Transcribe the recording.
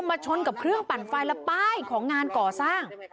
ชนกับเครื่องปั่นไฟและป้ายของงานก่อสร้าง